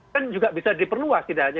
kan juga bisa diperluas tidak hanya